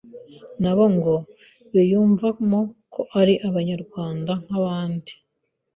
Nabo ngo biyumvamo ko ari Abanyarwanda nk’abandi.